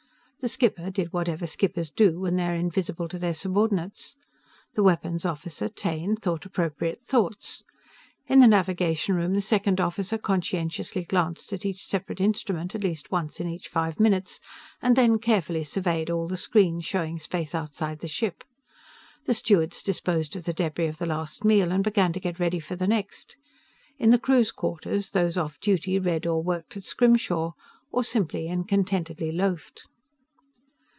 The skipper did whatever skippers do when they are invisible to their subordinates. The weapons officer, Taine, thought appropriate thoughts. In the navigation room the second officer conscientiously glanced at each separate instrument at least once in each five minutes, and then carefully surveyed all the screens showing space outside the ship. The stewards disposed of the debris of the last meal, and began to get ready for the next. In the crew's quarters, those off duty read or worked at scrimshaw, or simply and contentedly loafed.